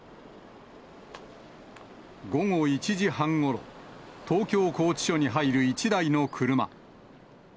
午後１時半ごろ、東京拘置所に入る１台の車。